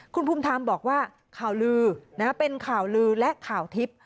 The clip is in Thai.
คุณภูมิธรรมบอกว่าข่าวลือเป็นข่าวลือและข่าวทิพย์